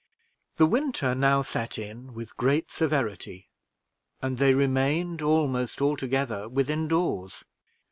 The winter now set in with great severity, and they remained almost altogether within doors.